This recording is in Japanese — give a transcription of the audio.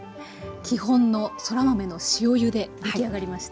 基本のそら豆の塩ゆでできあがりました。